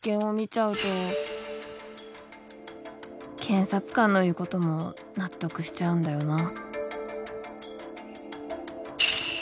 検察官の言う事も納得しちゃうんだよな。